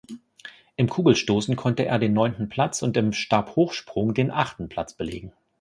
Im Kugelstoßen konnte er den neunten Platz und im Stabhochsprung den achten Platz belegen.